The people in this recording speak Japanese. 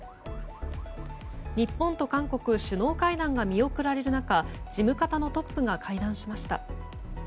日本と韓国首脳会談が見送られる中事務方のトップが会談しました。